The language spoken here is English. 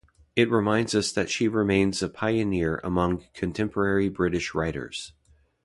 It reminds us that she remains a pioneer among contemporary British writers.